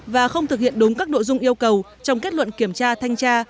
và không thực hiện đúng các nội dung yêu cầu trong kết luận kiểm tra thanh tra